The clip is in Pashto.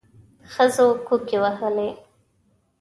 ښځو کوکي وهلې.